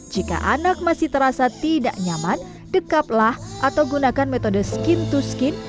jika anak masih terasa tidak nyaman dekaplah atau gunakan metode skin to skin